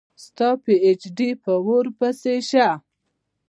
ستا پي ایچ ډي په اوور پسي شه